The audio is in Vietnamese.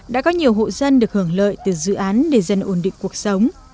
đã có nhiều hộ dân được hưởng lợi từ dự án để dân ổn định cuộc sống